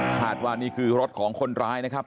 คาดว่านี่คือรถของคนร้ายนะครับ